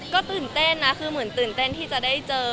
ก็ตื่นเต้นนะคือเหมือนตื่นเต้นที่จะได้เจอ